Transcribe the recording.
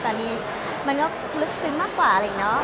แต่อันนี้มันก็ลึกซึ้งมากกว่าเลยเนาะ